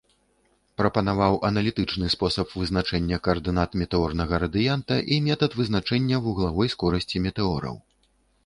Прапанаваў аналітычны спосаб вызначэння каардынат метэорнага радыянта і метад вызначэння вуглавой скорасці метэораў.